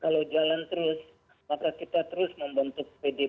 kalau jalan terus maka kita terus membantu